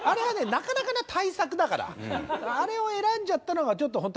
なかなかな大作だからあれを選んじゃったのがちょっとほんと